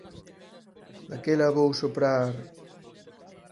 Daquela vou soprar...